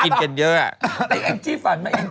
แล้วยังไง